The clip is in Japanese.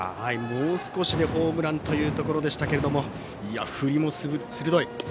もう少しでホームランというところでしたけれども振りも鋭い。